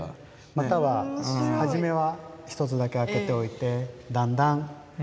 または初めは一つだけ開けておいてだんだん